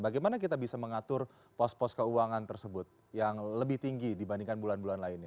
bagaimana kita bisa mengatur pos pos keuangan tersebut yang lebih tinggi dibandingkan bulan bulan lainnya